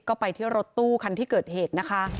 ก็ไปที่รถตู้คันที่เกิดเหตุนะคะ